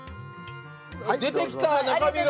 出てきた中身が！